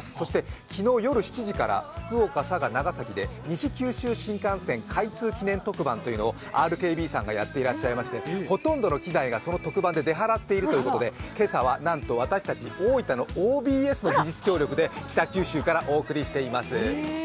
そして、昨日夜７時から福岡、佐賀、長崎で西九州新幹線開通記念特番というのをＲＫＢさんがやっていらっしゃいまして、ほとんどの機材が出払っているということで今朝はなんと私たち大分のＯＢＳの技術協力で北九州からお送りしています。